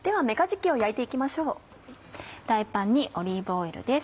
フライパンにオリーブオイルです。